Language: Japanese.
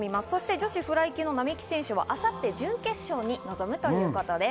女子フライ級の並木選手は明後日、準決勝に臨むということです。